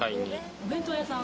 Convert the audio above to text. お弁当屋さん？